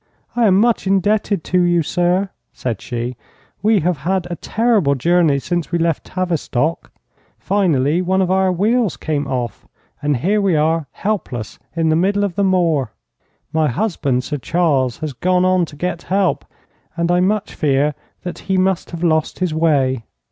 'I am much indebted to you, sir,' said she. 'We have had a terrible journey since we left Tavistock. Finally, one of our wheels came off, and here we are helpless in the middle of the moor. My husband, Sir Charles, has gone on to get help, and I much fear that he must have lost his way.'